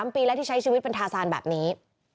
ปีแล้วที่ใช้ชีวิตเป็นทาซานแบบนี้